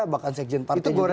bahkan sekjen partai juga